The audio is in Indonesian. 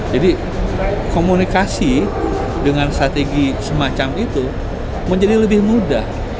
jadi komunikasi dengan strategi semacam itu menjadi lebih mudah